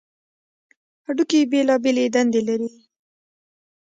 هډوکي بېلابېلې دندې لري.